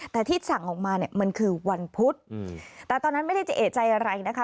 แต่ที่สั่งออกมาเนี่ยมันคือวันพุธแต่ตอนนั้นไม่ได้จะเอกใจอะไรนะคะ